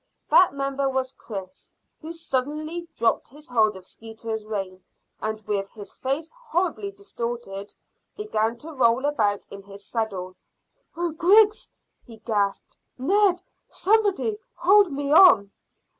That member was Chris, who suddenly dropped his hold of Skeeter's rein, and with his face horribly distorted, began to roll about in his saddle. "Oh, Griggs!" he gasped. "Ned! Somebody! Hold me on."